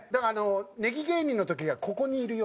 ネギ芸人の時が「ここにいるよ